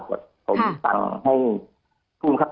กฎที่ผมนำให้ถูกนะครับ